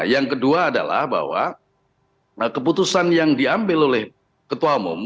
yang kedua adalah bahwa keputusan yang diambil oleh ketua umum